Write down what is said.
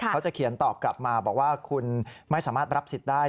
เขาจะเขียนตอบกลับมาบอกว่าคุณไม่สามารถรับสิทธิ์ได้